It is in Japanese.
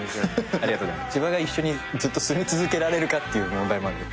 千葉が一緒にずっと住み続けられるかっていう問題もあるよ。